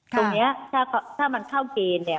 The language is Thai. ตรงนี้ถ้ามันเข้าเกณฑ์เนี่ย